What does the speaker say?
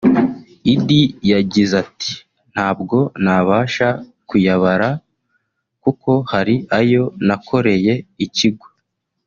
Idi yagize Ati “ Ntabwo nabasha kuyabara kuko hari ayo nakoreye ikigo